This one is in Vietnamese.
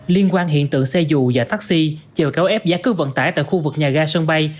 liên quan hiện tượng xe dù và taxi chèo cáo ép giá cứ vận tải tại khu vực nhà ga sân bay